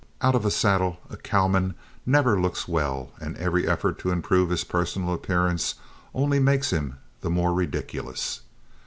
Out of a saddle a cowman never looks well, and every effort to improve his personal appearance only makes him the more ridiculous.